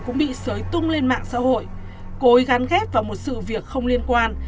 cũng bị sới tung lên mạng xã hội cối gắn ghép vào một sự việc không liên quan